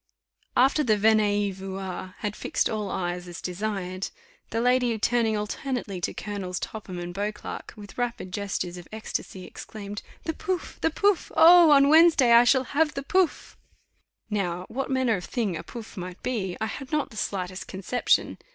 After the venez y voir had fixed all eyes as desired, the lady turning alternately to Colonels Topham and Beauclerk, with rapid gestures of ecstasy, exclaimed, "The pouf! the pouf! Oh! on Wednesday I shall have the pouf!" Now what manner of thing a pouf! might be, I had not the slightest conception.